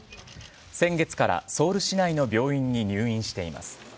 先月からソウル市内の病院に入院しています。